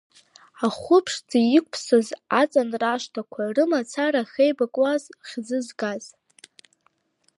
Ахәы ԥшӡа иқәԥсаз аҵан рашҭақәа, рымцахара ахьеибакуаз хьӡы згаз.